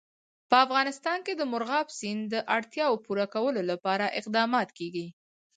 په افغانستان کې د مورغاب سیند د اړتیاوو پوره کولو لپاره اقدامات کېږي.